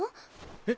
え？